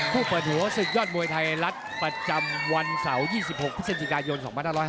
ผู้เปิดหัวศึกยอดมวยไทยรัฐประจำวันเสาร์๒๖พฤศจิกายน๒๕๖๐